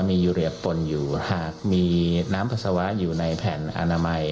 มีเหลือปนอยู่หากมีน้ำปัสสาวะอยู่ในแผ่นอนามัย